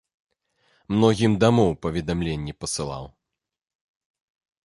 Многім дамоў паведамленні пасылаў.